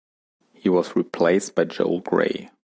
He was replaced by Joel Grey.